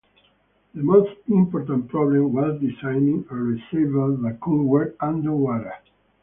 The most important problem was designing a receiver that could work under water.